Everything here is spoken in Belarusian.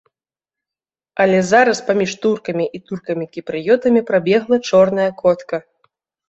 Але зараз паміж туркамі і туркамі-кіпрыётамі прабегла чорная котка.